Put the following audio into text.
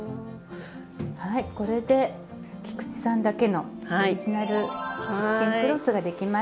はいこれで菊池さんだけのオリジナルキッチンクロスが出来ました。